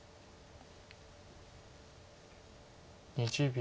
２０秒。